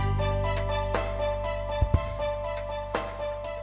nahab dayspear pakai apa kid